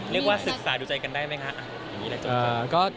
เรียกว่าศึกษาดูใจกันได้ไหมครับ